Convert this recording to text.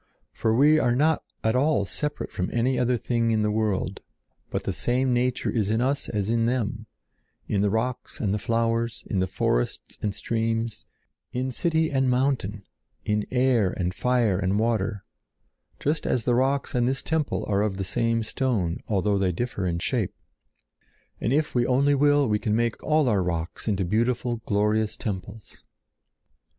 For we are not at all separate from any other thing in the world, but the same nature is in us as in them—in the rocks and the flowers, in the forests and streams, in city and mountain, in air and fire and water, just as the rocks and this temple are of the same stone, although they differ in shape. And if we only will, we can make all our rocks into beautiful, glorious temples.